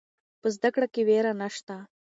په زده کړه کې ویره نشته.